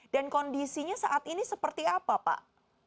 dan kondisinya saat ini seperti apa pak